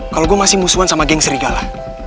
kalau gue masih musuhan sama geng serigala